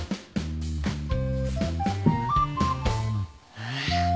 えっ？